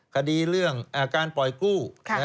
คดีเรื่องการปล่อยกู้